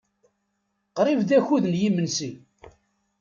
Qrib d akud n yimensi.